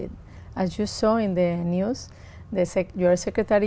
tôi đã gặp cô ấy